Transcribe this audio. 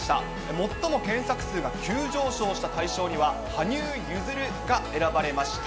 最も検索数が急上昇した大賞には、羽生結弦さんが選ばれました。